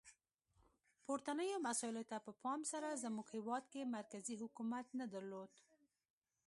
پورتنیو مسایلو ته په پام سره زموږ هیواد کې مرکزي حکومت نه درلود.